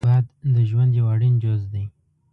باد د ژوند یو اړین جز دی